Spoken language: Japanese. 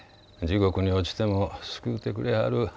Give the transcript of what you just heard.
地獄に落ちても救うてくれはる